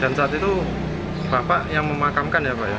dan saat itu bapak yang memakamkan ya pak